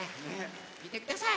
みてください。